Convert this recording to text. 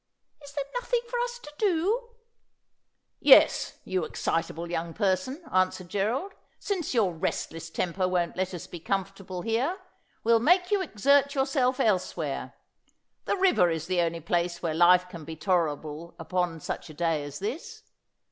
' Is there nothing for us to do ?' 'Yes, you excitable young person,' answered Gerald ;' since your restless temper won't let us be comfortable here, we'll make you exert yourself elsewhere. The river is the only place where life can be tolerable upon such a day as this.